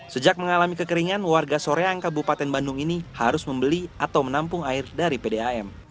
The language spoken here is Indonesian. sejak mengalami kekeringan warga soreang kabupaten bandung ini harus membeli atau menampung air dari pdam